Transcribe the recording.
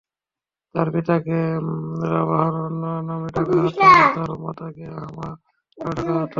তাঁর পিতাকে রাবাহ নামে ডাকা হত আর তাঁর মাতাকে হামামা নামে ডাকা হত।